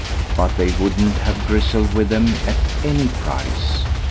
But they wouldn't have Grizzel with them at any price.